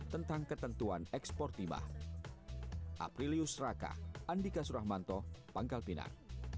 tentang ketentuan ekspor timah